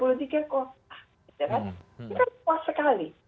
itu kan luas sekali